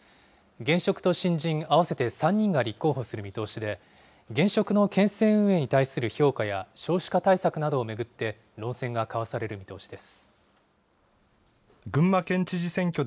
現職と新人合わせて３人が立候補する見通しで、現職の県政運営に対する評価や少子化対策などを巡って、論戦が交わされる見通しです。